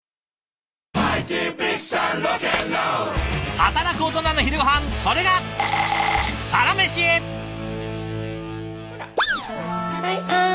働くオトナの昼ごはんそれがはいあん。